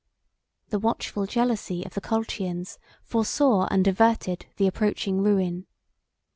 The watchful jealousy of the Colchians foresaw and averted the approaching ruin.